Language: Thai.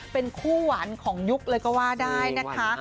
เป็นคู่หวานของยุคเลยก็ว่าได้นะคะ